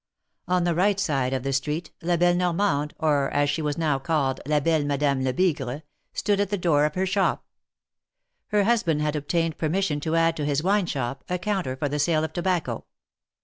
On the right side of the street. La belle Normande, or, as she was now called. La belle Madame Lebigre, stood at the door of her shop. Her husband had obtained per mission to add to his wine shop, a counter for the sale of tobacco.